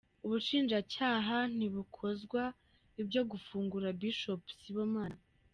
Ubushinjacyaha ntibukozwa ibyo gufungura Bishop Sibomana.